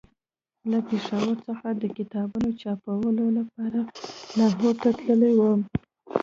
له پېښور څخه د کتابونو چاپولو لپاره لاهور ته تللی وم.